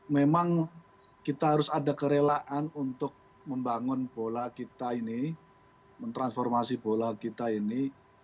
memang kita harus ada kerelaan untuk membangun bola kita ini mentransformasi bola kita ini